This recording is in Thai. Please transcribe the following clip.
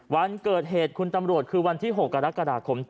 วันเกิดเหตุคุณตำรวจคือวันที่๖กรกฎาคม